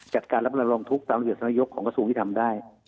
จัดการรับรับรองทุกข์ตามเหตุสนัยยกของกระทรวงที่ทำได้